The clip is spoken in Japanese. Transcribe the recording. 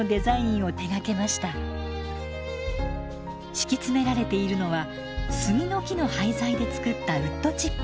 敷き詰められているのは杉の木の廃材で作ったウッドチップ。